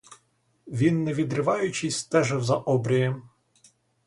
Він не відриваючись стежив за обрієм.